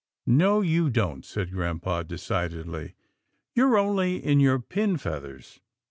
" No, you don't," said grampa decidedly, " you're only in your pin feathers.